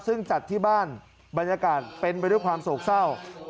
ซึ่งจัดที่บ้านบรรยากาศเป็นไปด้วยความโศกเศร้า